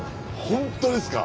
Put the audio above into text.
本当ですか？